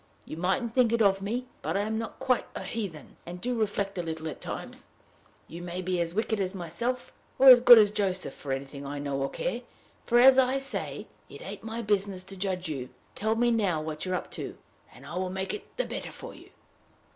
You mightn't think it of me, but I am not quite a heathen, and do reflect a little at times. You may be as wicked as myself, or as good as Joseph, for anything I know or care, for, as I say, it ain't my business to judge you. Tell me now what you are up to, and I will make it the better for you."